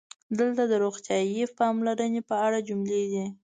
دلته د "روغتیايي پاملرنې" په اړه جملې دي: